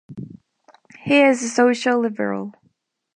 He is a social liberal.